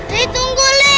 saya tunggu li